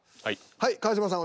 はい川島さん